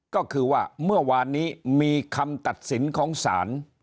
ก็คือว่าเมื่อวานนี้มีคำตัดสินของศาล